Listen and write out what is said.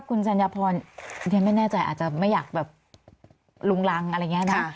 คุณสัญพรเรียนไม่แน่ใจอาจจะไม่อยากแบบลุงรังอะไรอย่างนี้นะ